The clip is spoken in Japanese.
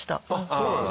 そうなんですね。